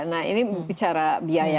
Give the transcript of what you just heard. nah ini bicara biaya